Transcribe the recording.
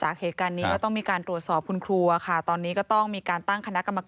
เหตุการณ์นี้ก็ต้องมีการตรวจสอบคุณครัวค่ะตอนนี้ก็ต้องมีการตั้งคณะกรรมการ